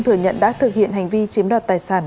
thừa nhận đã thực hiện hành vi chiếm đoạt tài sản